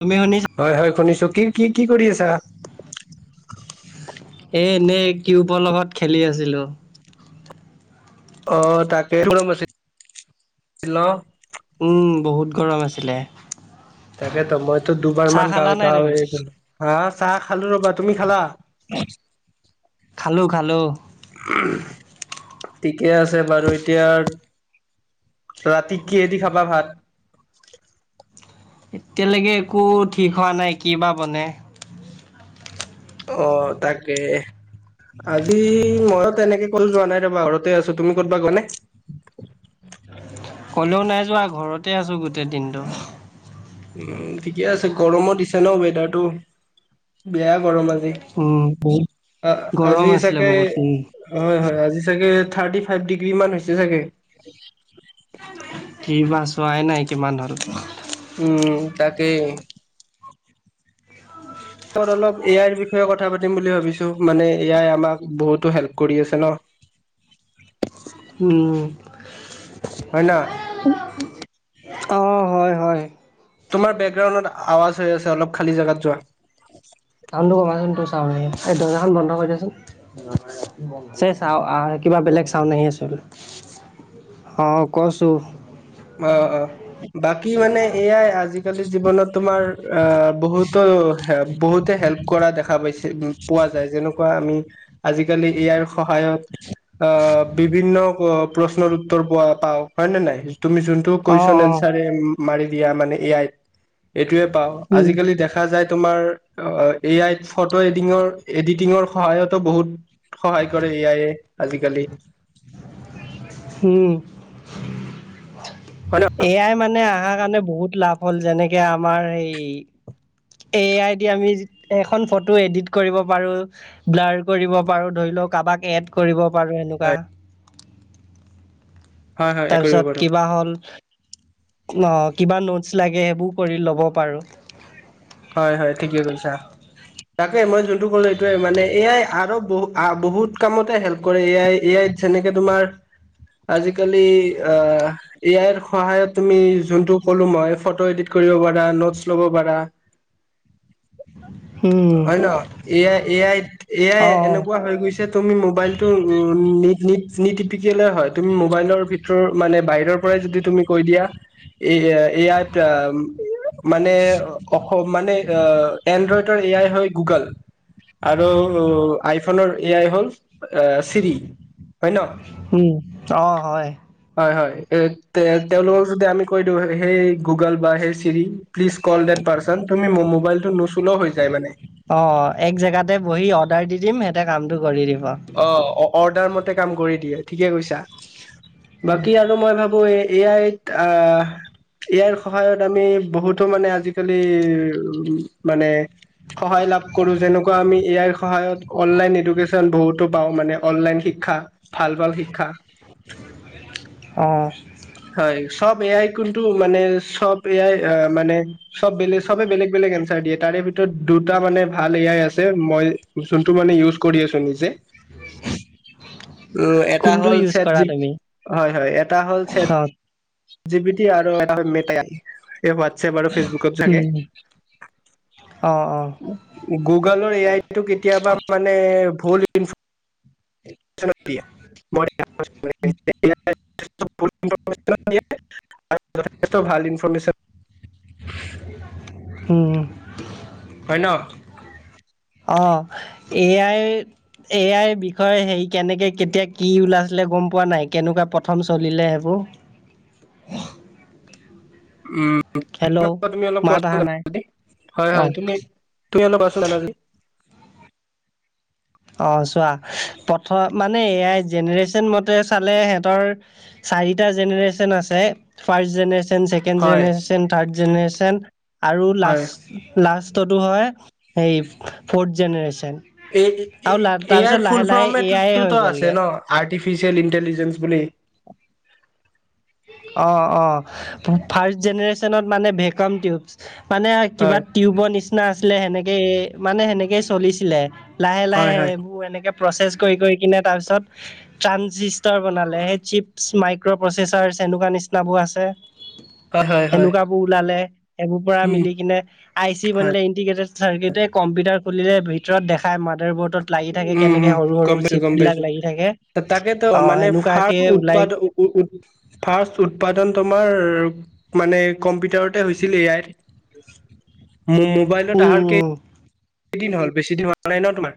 তুমি শুনি [unintelligible] হয়, হয় শশুনিছোঁ কি-কি-কি কৰি আছা? এ এনেই কিউবৰ লগত খেলি আছিলোঁ। অ' তাকে [unintelligible] হেল্ল' উম বহুত গৰম আছিলে। তাকেতো মইতো দুবাৰ চাহ মান, [unintelligible] খালা নাই তুমি? হা চাহ খালোঁ ৰ'বা, তুমি খালা? খালোঁ, খালোঁ। [unintelligible] ঠিকে আছে বাৰু এতিয়া ৰাতি কিহেদি খাবা ভাত? এতিয়ালৈকে একো ঠিক হোৱা নাই কি বা বনে। অ' তাকে, আজি মইয়ো তেনেকে ক'তো যোৱা নাই ৰ'বা ঘৰতে আছো তুমি ক'ৰবাত গ'লা নে? ক'লেও নাই যোৱা ঘৰতে আছোঁ গোটেই দিনটো। উম, ঠিকে আছে গৰমো দিছে ন ৱেডাৰটো বেয়া গৰম আজি। উম, বহুত গৰম আজি আছিলে চাগে বহুত। উম, হয়, হয়, আজি চাগে থাৰ্টি ফাইভ ডিগ্ৰী মান হৈছে চাগে! কি বা চোৱাই নাই কিমান হ'ল। উম, তাকেই। লগত অলপ এ আইৰ বিষয়ে কথা পাতিম বুলি ভাবিছো মানে এ আই আমাক বহুতো হেল্প কৰি আছে ন। উম। হয় ন? অ', হয় হয়। তোমাৰ বেকগ্ৰাউণ্ডত আৱাজ হৈ আছে অলপ খালী জেগাত যোৱা। চাউণ্ডটো কমাচোন তোৰ চাউণ্ড আহি আছে, এই দৰ্জাখন বন্ধ কৰি দিয়াচোন। চেচ আৰু আ আ কিবা বেলেগ চাউণ্ড আহি আছে। অ', কছো। অ', অ', বাকী মানে এ আই আজিকালি জীৱনত তোমাৰ অ' বহুতো বহুতে হেল্প কৰা দেখা পাইছে। পোৱা যায় যেনেকুৱা আমি আজিকালি এ আইৰ সহায়ত অ' বিভিন্ন প্ৰশ্নৰ উত্তৰ পোৱা পাওঁ হয় নে নাই তুমি যোনটো অ' কুৱেশ্বন অ' আঞ্চাৰে মাৰি দিয়া মানে এ আইত এইটোৱে পাওঁ। উম, আজিকালি দেখা যায় তোমাৰ এ আইত ফটো এডিটিঙৰ এডিটিঙৰ সহায়তো বহুত সহায় কৰে এ আই এ আজিকালি। উম, হয় ন এ আই মানে অহাৰ কাৰণে বহুত লাভ হ'ল যেনেকে আমাৰ হেই এ আই দি আমি এখন ফটো এডিট কৰিব পাৰো। ব্লাৰ কৰিব পাৰো ধৰি লওঁক কাৰোবাক এড কৰিব পাৰো এনেকুৱা। হয় হয় কৰিব তাৰপিছত পাৰো কিবা হ'ল অ' কিবা নোটচ লাগে সেইবোৰ কৰি ল'ব পাৰো। হয়, হয়, ঠিকে কৈছা। তাকে মই যোনটো ক'লো এইটোৱে মানে এ আই আৰু বহু বহুত কামতে হেল্প কৰে এ আই এ আই যেনেকে তোমাৰ আজিকালি আহ এ আইৰ সহায়ত তুমি যোনটো ক'লো মই ফটো এডিট কৰিব পাৰা নোটচ ল'ব পাৰা। উম হয় নহয় A I A I A I অ অ এনেকুৱা হৈ গৈছে তুমি মোবাইলটো নিতিপিকিলেও হয় তুমি মোবাইলৰ ভিতৰ মানে বাহিৰৰ পৰাই যদি তুমি কৈ দিয়া। এ আইত মানে অসম মানে এণ্ড্ৰইডৰ এ এই হয় গুগল আৰু আই ফোনৰ ৰ এ আই হ'ল চিৰি হয় ন? উম অ হয় হয়, হয়, তেওঁলোকক যদি আমি কৈ দিওঁ হেই গুগল বা hey Siri please call that person. তুমি মোবাইলটো নোচুলেও হৈ যায় মানে। অ', এক জেগাতে বহি অৰ্ডাৰ দি দিম সিহঁতে কামটো কৰি দিব। অ', অৰ্ডাৰ মতে কাম কৰি দিয়ে ঠিকে কৈছা। বাকী আৰু মই ভাবো এই এ আইত আ এ আইৰ সহায়ত আমি বহুতো মানে আজিকালি মানে সহায় লাভ কৰো যেনেকুৱা আমি এ আইৰ সহায়ত অনলাইন এডুকেশ্যন বহুত টো পাওঁ মানে অনলাইন শিক্ষা, ভাল-ভাল শিক্ষা। অ'। হয়, চব এআই কোনটো মানে চব এআই অ', মানে চব বেলেগ, চবে বেলেগ-বেলেগ এনচাৰ দিয়ে, তাৰে ভিতৰত দুটা মানে ভাল এ আই আছে, মই জুনটো মানে ইউজ কৰি আছোঁ নিজে। উম, এটা কোনটো হ'ল ইউজ কৰা চেটজি তুমি হয়, হয়, এটা হ'ল চেটজি অ জি পিটি আৰু এটা হয় মেটাই, হোৱাত এপ আৰু ফেচবুকত থাকে। উম অ অ গুগলৰ এ আইটো কেতিয়াবা মানে ভূল এনছ ছাৰ দিয়ে, [unintelligible] [unintelligible] আৰু যথষ্ট ভাল ইনফৰৰ্মেশ্যন উম। হয়, ন'? অ', এ আই এ আই বিষয়ে হেৰি কেনেকে কেতিয়া কি ওলাইছিলে গম পোৱা নাই, কেনেকুৱা প্ৰথম চলিলে সেইবোৰ। উম, হেল্ল' তুমি অলপ কোৱা মাত অহা [unintelligible] নাই, হয়, হয়, অ', তুমি তুমি অলপ কোৱা চুন জানা যদি। অ', চোৱা, প্ৰথম মানে এয়াই জেনেৰেশ্যন মতে চালে সিহঁতৰ চাৰিটা জেনেৰেশচন আছে, ফাৰ্ষ্ট জেনেৰেশ্যন ছেকেণ্ড হয় জেনেৰেচন, থাৰ্ড জেনেৰেচন, আৰু হয় লাষ্ট লাষ্টতটো হয়, এই ফৰ্থ জেনেৰেশ্যন। এ, এ, আৰু এ তাৰপিছত আইৰ লাহে ফুল লাহে এ আইয়ে হৈ ফ্ৰমতোটো আছে গ'লগে। ন', আৰ্টিফিচিয়েল ইণ্টেলিজেন্ঞ্চ বুলি। অ', অ', ফাৰ্ষ্ট জেনেৰেশ্যনত মানে বেকগ্ৰাউণ্ড টিউবচ, মানে কিবা হয় টিউবৰ নিচিনা আছিলে, সেনেকে মানে সেনেকে চলিছিলে, লাহে-লাহে হয় হয় এইবোৰ এনেকে প্ৰচেছ কৰি-কৰি কিনে তাৰপিছত ট্ৰানচিছটাৰ বনালে, সেই চিপছ্ মাইক মাইক্ৰ' প্ৰ'চেছাৰ্ছ এনেকুৱা নিচিনাবোৰ আছে। হয় হয় হয় এনেকুৱাবোৰ ওলালে, এইবোৰ পৰা উম মিলি কিনে আই চি হয় বনিলে, ইণ্টিগ্ৰেটেড ষ্টাৰগেটে কম্পিউটাৰ খুলিলে ভিতৰত দেখাই মাডাৰবৰ্ড লাগি থাকে, উম কেনেকে উম সৰু-সৰু গম পাইছো চিপ গম পাইছো বিলাক লাগি থাকে, অ', সেনেকুৱাকে ওলাই উ, ফাৰ্ষ্ট উৎপাদন তোমাৰ মানে কম্পিউটাৰতে হৈছিল এআইত, মো, মোবাইলত উম, আহাৰ কেই উম, কেইদিন হ'ল, বেছি দিন হোৱা নাই ন' তোমাৰ?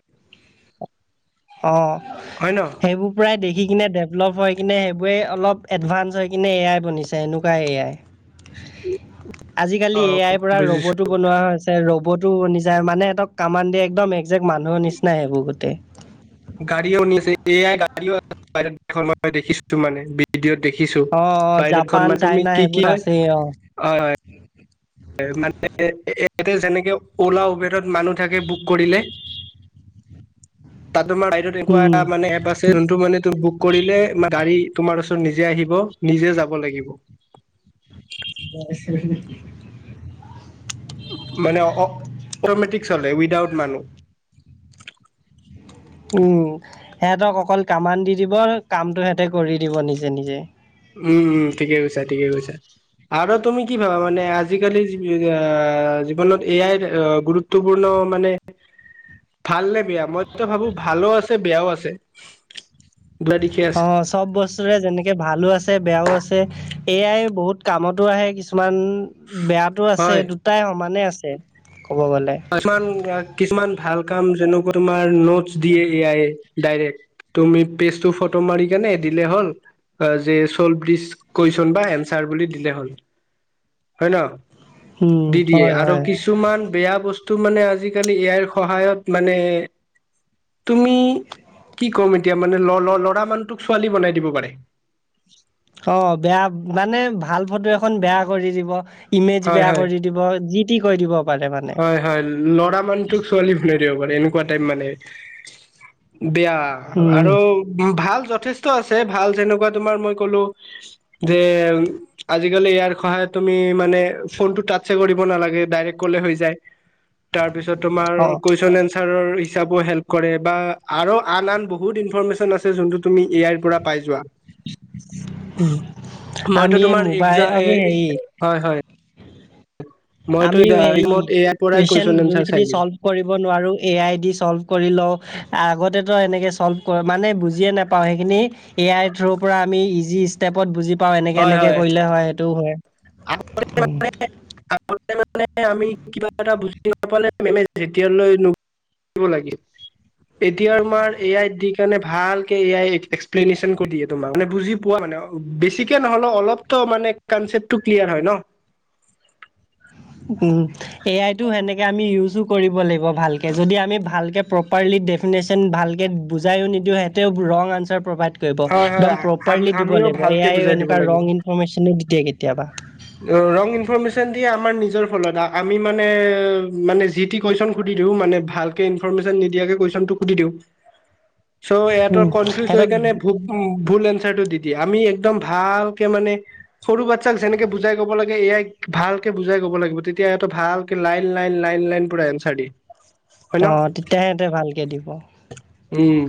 অ'। হয় ন'? সেইবোৰ প্ৰায় দেখি কিনে ডেভলপ হৈ কিনে সেইবোৰে অলপ এডভানঞ্চ হৈ কিনে এ আই বনিছে, এনেকুৱা এ আই। [inaudible] আজিকালি এ আইৰ অ পৰা বুজিছো ৰ'বট তো বনোৱা হৈছে, ৰ'বতো বনি যায়, মানে সিহঁক কামান দিয়ে, একদম একজেক্ট মানুহৰ নিচিনা সেইবোৰ গোটেই। গাড়ীও বনি আছে, এআই গাড়ীও আছে, মই দেখিছোটো মানে। ভিডিঅ'ত দেখিছোঁ, অ অ বাহিৰত ঘন জাপান মা তুমি চাইনা কি-কি সেইবোৰত হয়, আছেই অ হয়, হয়। মানে ইয়াতে যেনেকে অলা উবেৰৰত মানুহ থাকে বুক কৰিলে। তাত তোমাৰ বাহিৰত এনেকুৱা উম। এটা মানে এপ আছে, যোনটো মানে তোৰ বুক কৰিলে গাড়ী তোমাৰ ওচৰত নিজে আহিব, নিজে যাব লাগিব। [unintelligible] মানে অ', অটমেটিক চলে, উইদাউট মানুহ। উম সেহতক অকল কামান দি দিব আৰু কামটো সিহঁতে কৰি দিব নিজে নিজে। উম উম ঠিকে কৈছা ঠিকে কৈছা। আৰু তুমি কি ভাবা মানে আজিকালি জীৱনত এ আইৰ গুৰুত্ব। গুৰুত্বপূৰ্ণ মানে। ভাল নে বেয়া মইতো ভাবো ভালো আছে বেয়াও আছে। দুটা দিশে আছে অ'চ চব বস্তুৰে যেনেকে ভালো আছে, বেয়াও আছে। এআই বহুত কামতো আহে কিছুমান বেয়াটো আছে, হয় দুটাই সমানে আছে ক'ব গ'লে। কিছুমান আ কিছুমান ভাল কাম যেনেকুৱা, তোমাৰ নোটছ দিয়ে এ আই য়ে। ডাইৰেক্ট, তুমি পেজটো ফ'টো মাৰি কেনে দিলে হ'ল। আ, যে চলভ দিছ কুৱেশ্যন বা এনচাৰ বুলি দিলে হ'ল। হয় ন? উম, দি দিয়ে হয় আৰু হয়। কিছুমান বেয়া বস্তু কিন্তু মানে, আজিকালি এআইৰ সহায়ত মানে তুমি, কি ক'ম এতিয়া মানে? ল ল ল'ৰা মানুহটোক ছোৱালী বনাই দিব পাৰে। অ', বেয়া মানে ভাল ফ'টো এখন বেয়া কৰি দিব। ইমেজ হয় বেয়া হয় কৰি দিব, যি টি কৰি দিব। পাৰে মানে। হয়, হয়। ল'ৰা মানুহটোক ছোৱালী বনাই দিব পাৰে। এনেকুৱা টাইপ মানে বেয়া। উম, আৰু উম ভাল যথেষ্ট আছে, ভাল যেনেকুৱা তোমাৰ মই ক'লো যে আজিকালি এ আইৰ সহায়ত তুমি মানে, ফোনটো টাচে কৰিব নালাগে। ডাইৰেক্ট ক'লে হৈ যায়। যায়, তাৰপিছত তোমাৰ অ' কুৱেশ্যন এনচা চাৰৰ হিচাপো হেল্প কৰে বা আৰু আন আন বহুত ইনফৰমেশ্যন আছে, যোনটোত তুমি এআইৰ পৰা পাই যোৱা। উ, মইতো আমি এই তোমাৰ মোবাইল এক্সা অ', এ কি হেৰি হয়- হয়। মইতো আমি হেই এক্সামত এ আইৰ পৰাই কুৱেশ্যন কুৱেশন এনচাৰ চাই যোনখিনি দিছো চলভ কৰিব নোৱাৰোঁ, এআই ডি চল্ভ কৰি লওঁ। আগতেতো এনেকে চল্ভ কৰে, মানে বুজিয়ে নেপ পাওঁ, সেইখিনি এআই থ্ৰু পৰা আমি ইজি ষ্টেপত বুজি পাওঁ। পাওঁ, এনেকে এনেকে কৰিলে হয়, সেইটোও হয়। মানে, আগতে মানে আমি কিবা এটা বুজি নাপালে মানে, যেতিয়ালৈ নু [unintelligible] লাগে। এতিয়া তোমাৰ এ আই দি কেনে, ভাল কে এ আই এক্সপ্লেনেশ্যন কৰি দিয়ে তোমাক। মানে বুজি পোৱা মানে, বেছিকে নহ'লেও অলপতো মানে কনচেপটো ক্লিয়াৰ হয় ন? উম, এআইটো সেনেকে আমি ইউজো কৰিব লাগিব, ভালকে যদি আমি ভালকে প্ৰপাৰলি ডেফিনেশ্যন ভালকৈ বুজায়ো নিদিওঁ, সেহেঁতেও ৰং আনচাৰ প্ৰভাইড কৰি কৰিব, হয় হয় একদম আম প্ৰপাৰলি দিব আমিও লাগিব। ভালকে এআইও বুজাই দিব এনেকুৱা ৰং লাগিব। ইনফমেশ্যনো দি দিয়ে কেতিয়াবা। ৰং ইনফৰমেশ্যন দিয়ে আমাৰ নিজৰ ফলত, আ আমি মানে মানে যি টি কুৱেশ্যন সুধি দিওঁ, মানে ভালকে ইনফৰমেশ্যন নিদিয়াকে কুৱেশ্যনটো সুধি দিওঁ। চ' ইহঁতৰ উম, কনফিউজ হৈ সিহঁতক কেনে উ, ভুল এনচাৰটো দি দিয়ে, আমি একদম ভালকে মানে সৰু বাচ্ছাক যেনেকে বুজাই ক'ব লাগে, এআইক ভালকে বুজাই ক'ব লাগিব। তেতিয়া সিহঁতে ভাল কে লাইন, লাইন, লাইন, লাইন পুৰা এনচাৰ দিয়ে। হয় ন অ'তেতিয়া সেহেঁতে ভালকে দিব। উম।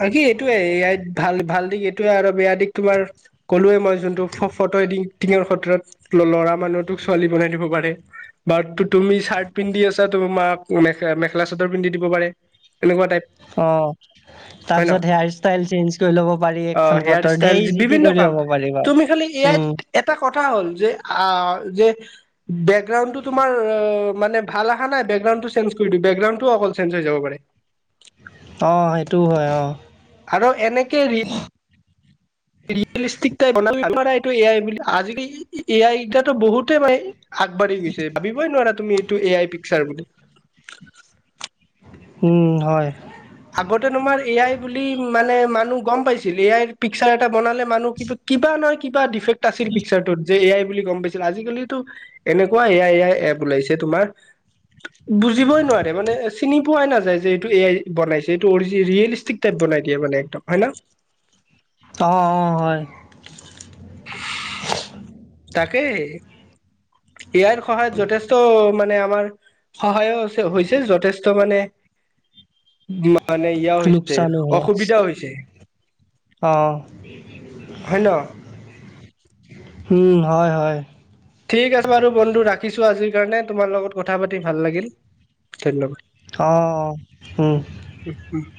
বাকী, এইটোৱে এআইত ভাল ভাল দিশ, এইটোৱে আৰু বেয়া দিশ তোমাৰ ক'লোৱে মই, যোনটো ফ ফ'টো এডিটিঙৰ ক্ষেত্ৰত ল ল'ৰা মানুহটোক ছোৱালী বনাই দিব পাৰে। বাৰ তু তুমি চাৰ্ট পিন্ধি আছা, তোমাক মেখলা মেখেলা চাদৰ পিন্ধি দিব পাৰে। এনেকুৱা টাইপ। অঁ। [inaudible] তাৰপিছত হেয়াৰ ষ্টাইল চেঞ্জ কৰি ল'ব পাৰি। অ এখন ফ'টোত ঢেৰ যি টি কৰি দিব পাৰিবা। কালি এআইত উম, এটা কথা হ'ল যে, আ যে বেকগ্ৰাউণ্ডটো তোমাৰ মানে ভাল আহা নাই বেকগ্ৰাউণ্ডটো চেঞ্জ দিওঁ বেকগ্ৰাউণ্ডটো অকল চেঞ্জ হৈ যাব পাৰে। অঁ সেইটোও হয় অঁ। আৰু এনেকে ৰি ৰিয়েলিষ্টিক টাইপ এইটো এ আই বুলি আজিকালি এ আইাতো বহুতেই মানে আগবাঢ়ি গৈছে, ভাবিবই নোৱাৰা তুমি এইটো এ আই পিক্সাৰ বুলি। পিক্সাৰ উম হয়। আগতে তোমাৰ এ আই বুলি মানে মানুহ গম পাইছিল, এ আইৰ পিক্সাৰ এটা বনালে মানুহ কিবা কিবা নহয় কিবা ডিফেক্ট আছিল পিক্সাৰটোত যে এ আই বুলি গম পাইছিল। আজিকালিতো এনেকুৱা এয়াই এয়াই এপ ওলাইছে তোমাৰ বুজিবই নোৱাৰে, মানে চিনি পোৱাই নাযায় যে এইটো এ আই বনাইছে এইটো অৰ্জি ৰিয়েলিষ্টিক টাইপ বনাই দিয়ে একদম হয় না। অঁ অঁ হয়। তাকে, এ আইৰ সহায়ত যথেষ্ট মানে আমাৰ সহায়ো হৈছে হৈছে যথেষ্ট মানে মানে ইয়া হৈছে লোকচানো হয়। অসুবিধা হৈছে। অ। হয় ন। উম হয় হয়। ঠিক আছে বাৰু বন্ধু ৰাখিছোঁ আজিৰ কাৰণে, তোমাৰ লগত কথা পাতি ভাল লাগিল ধন্যবাদ। অঁ, উম। [inaudible]